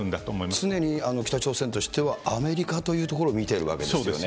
常に北朝鮮としてはアメリカというところを見ているわけですよね。